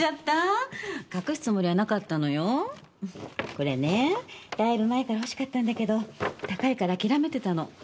これねだいぶ前から欲しかったんだけど高いから諦めてたの。